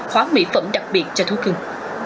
khóa mỹ phẩm đặc biệt cho thú cưng